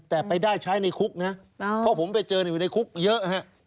แต่ไปได้ใช้ในคุกนะเพราะผมไปเจออยู่ในคุกเยอะฮะ